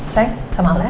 sayang sama allah ya